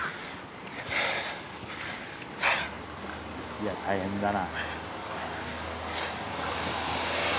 いや大変だな。